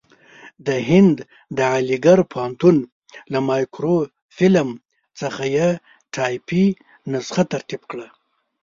د هند د علیګړ پوهنتون له مایکروفیلم څخه یې ټایپي نسخه ترتیب کړه.